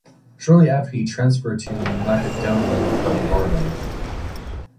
Shortly after he transferred to Macedonian club Vardar.